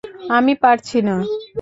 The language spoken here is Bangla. আমি পারছি না!